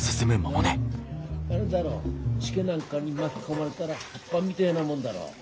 あるだろ時化なんかに巻き込まれだら葉っぱみでえなもんだろう。